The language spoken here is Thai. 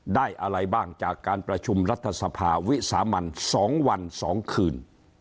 ได้อะไรบ้างจากการประชุมรัฐสภาวิสามัน๒วัน๒คืน